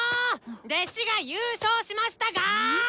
弟子が優勝しましたがーっ！